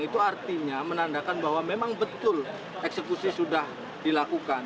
itu artinya menandakan bahwa memang betul eksekusi sudah dilakukan